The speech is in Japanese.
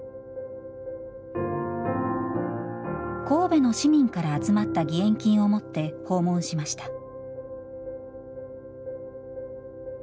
神戸の市民から集まった義援金を持って訪問しました。